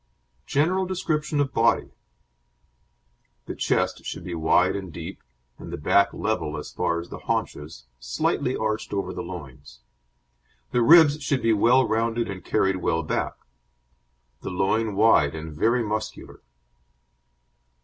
GENERAL DESCRIPTION OF BODY The chest should be wide and deep, and the back level as far as the haunches, slightly arched over the loins; the ribs should be well rounded and carried well back; the loin wide and very muscular.